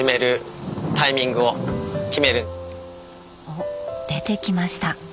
おっ出てきました！